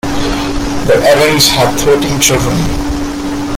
The Ewings had thirteen children.